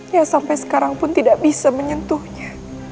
ya sampai sekarang pun tidak bisa menyentuhnya